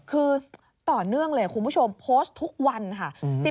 คือต่อเนื่องเลยคุณผู้ชมโพสต์ทุกวันค่ะ